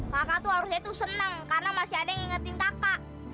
kakak tuh harusnya itu senang karena masih ada yang ngingetin kakak